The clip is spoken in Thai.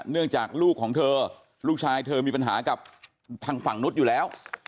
ลูกจากลูกของเธอลูกชายเธอมีปัญหากับทางฝั่งนุษย์อยู่แล้ว